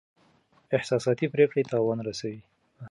احساساتي پریکړې تاوان رسوي.